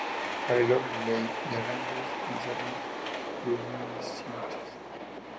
Galileo Galilei, Dialogues Concerning Two New Sciences.